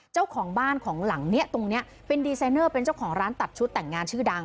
เจ้าของบ้านของหลังเนี้ยตรงเนี้ยเป็นดีไซเนอร์เป็นเจ้าของร้านตัดชุดแต่งงานชื่อดัง